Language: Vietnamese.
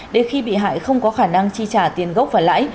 để khi bị hại không có khả năng chi trả tiền gốc và lãi